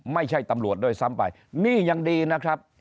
ไม่ใช่ตำรวจด้วยซ้ำไปนี่ยังดีนะครับ